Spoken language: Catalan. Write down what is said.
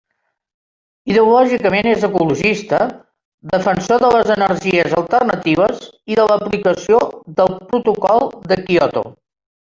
Ideològicament és ecologista, defensor de les energies alternatives i de l'aplicació del protocol de Kyoto.